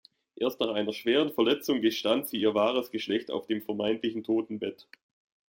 Erst nach einer schweren Verletzung gestand sie ihr wahres Geschlecht auf dem vermeintlichen Totenbett.